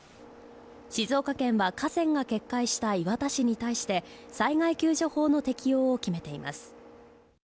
静岡県は河川が決壊した磐田市に対して、災害救助法の適用を決めています。